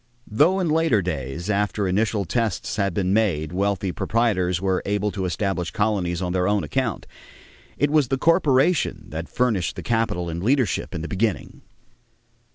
Though in later days, after initial tests had been made, wealthy proprietors were able to establish colonies on their own account, it was the corporation that furnished the capital and leadership in the beginning.